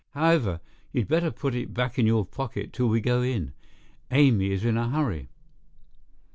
"However, you'd better put it back in your pocket till we go in. Amy is in a hurry."